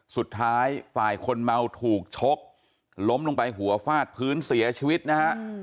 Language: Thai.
สุดท้ายฝ่ายคนเมาถูกชกล้มลงไปหัวฟาดพื้นเสียชีวิตนะฮะ